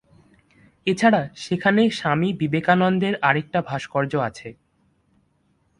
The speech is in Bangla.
এছাড়া সেখানে স্বামী বিবেকানন্দের আরেকটা ভাস্কর্য আছে।